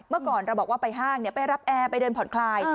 เมื่อก่อนเราบอกว่าไปห้างไปรับแอร์ไปเดินผ่อนคลาย